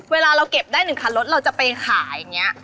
เวลาเราเก็บได้๑คันรถเราจะไปขายอย่างนี้